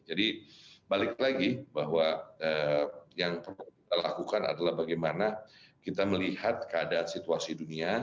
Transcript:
jadi balik lagi bahwa yang perlu kita lakukan adalah bagaimana kita melihat keadaan situasi dunia